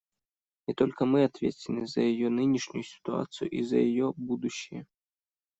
И только мы ответственны за ее нынешнюю ситуацию и за ее будущее.